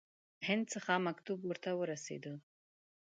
هند څخه مکتوب ورته ورسېدی.